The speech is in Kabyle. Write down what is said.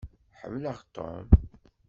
Ḥemmleɣ Tom.